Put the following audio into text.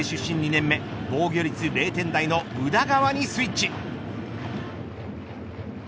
２年目防御率０点台の宇田川にスイッチ。